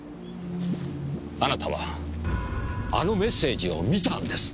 あなたはあのメッセージを見たんです。